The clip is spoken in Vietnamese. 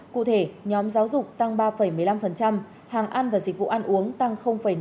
cụ thể nhóm giáo dục tăng ba một mươi năm hàng ăn và dịch vụ ăn uống tăng năm mươi